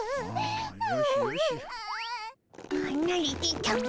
はなれてたも。